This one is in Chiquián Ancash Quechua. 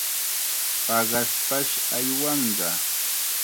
Paqaspash aywanqa.